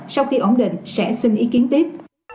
sau khi ổn định sẽ xin ý kiến tiếp